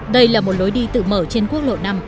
đây là một lối đi tự mở trên quốc lộ năm